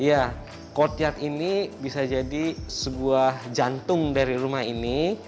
ya courtyard ini bisa jadi sebuah jantung dari rumah ini